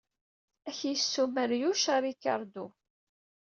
Ad k-yessumar Yuc a Ricardo.